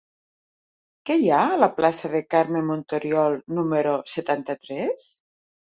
Què hi ha a la plaça de Carme Montoriol número setanta-tres?